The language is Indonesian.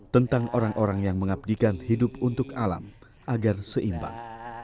tentang orang orang yang mengabdikan hidup untuk alam agar seimbang